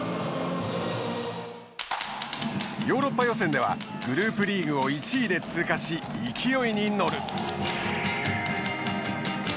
ヨーロッパ予選ではグループリーグを１位で通過し勢いに乗る。